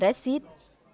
trong thời gian tới